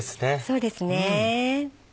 そうですね。